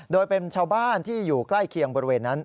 โดยเป็นชาวบ้านที่อยู่ใกล้เคียงบริเวณนั้น